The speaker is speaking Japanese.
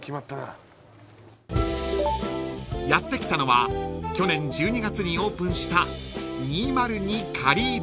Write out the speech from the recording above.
［やって来たのは去年１２月にオープンした］